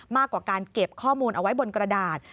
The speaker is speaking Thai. มากกว่าการเก็บข้อมูลเอาไว้บนกระดาษ